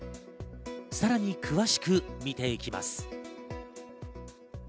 さらに詳しくみていきます。